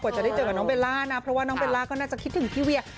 จะได้เจอกับน้องเบลล่านะเพราะว่าน้องเบลล่าก็น่าจะคิดถึงพี่เวีย